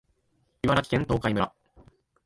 茨城県東海村